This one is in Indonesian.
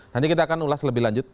nanti kita akan ulas lebih lanjut